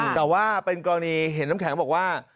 แต่ว่าเป็นกรณีเห็นน้ำแข็งบอกว่า